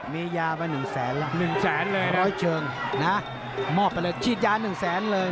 มียาวะหนึ่งแสนละร้อยเชิงมอบไปเลยชีดยานหนึ่งแสนเลย